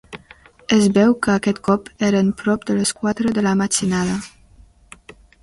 Es veu que aquest cop eren prop de les quatre de la matinada.